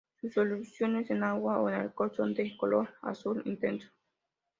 Sus disoluciones en agua o en alcohol son de color azul intenso.